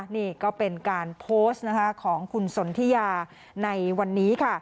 นี่ก็เป็นการโพสต์ของคุณสนทิยาในวันนี้ค่ะ